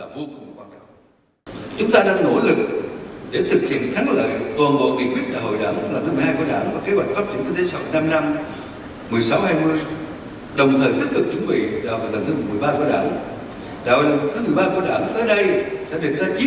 chúng ta đang nỗ lực để thực hiện thắng lợi toàn bộ kỳ quyết đại hội đảng lần thứ một mươi hai của đảng